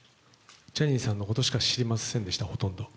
ジャニーさんのことしか知りませんでした、ほとんど。